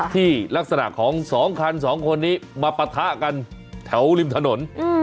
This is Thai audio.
ที่ลักษณะของ๒คัน๒คนนี้มาปะทะกันแถวริมถนน